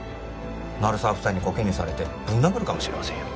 鳴沢夫妻にコケにされてぶん殴るかもしれませんよ